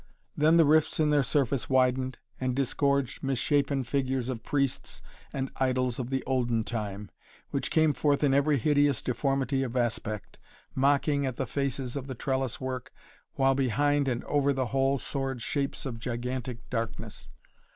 Then the rifts in their surface widened, and disgorged misshapen figures of priests and idols of the olden time, which came forth in every hideous deformity of aspect, mocking at the faces of the trellis work, while behind and over the whole soared shapes of gigantic darkness.